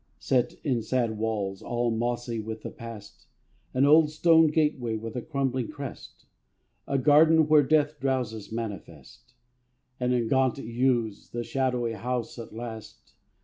Set in sad walls, all mossy with the past, An old stone gateway with a crumbling crest; A garden where death drowses manifest; And in gaunt yews the shadowy house at last.